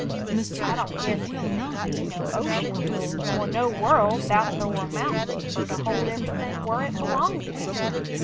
I don't guess the'd be no ocean nor no world 'thout the' war mountains fer to hold everything whar hit belongs at."